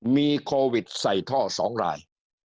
มีโควิดใส่ท่อ๒ราย